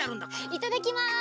いただきます！